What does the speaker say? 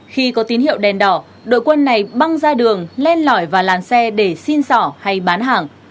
khi có tín hiệu đèn đỏ đội quân này băng ra đường lên lỏi vào làn xe để xin sỏ hay bán hàng